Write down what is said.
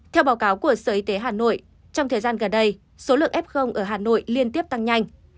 theo báo cáo của sở y tế hà nội trong thời gian gần đây số lượng f ở hà nội liên tiếp tăng nhanh